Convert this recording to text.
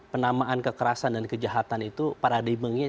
penamaan kekerasan dan kejahatan itu paradigmanya